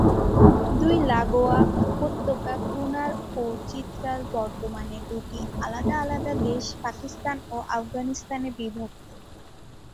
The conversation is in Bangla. দুই লাগোয়া উপত্যকা কুনার ও চিত্রল বর্তমানে দু'টি আলাদা আলাদা দেশ, পাকিস্তান ও আফগানিস্তানে বিভক্ত।